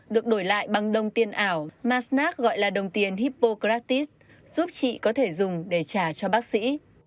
được đổi lại bằng đồng tiền ảo mà snack gọi là đồng tiền hippocrates giúp chị có thể dùng để trả cho bác sĩ